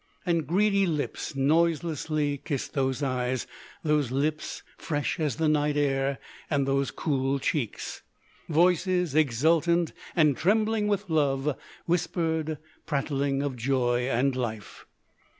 And greedy lips noiselessly kissed those eyes, those lips fresh as the night air, and those cool cheeks. Voices exultant, and trembling with love, whispered, prattling of joy and life.